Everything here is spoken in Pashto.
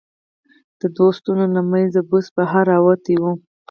د دوو ستنو له منځه بوس بهر را وتي و.